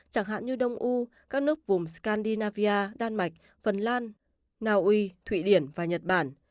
chẳng hạn như đông u các nước vùng scandinavia đan mạch phần lan naui thụy điển và nhật bản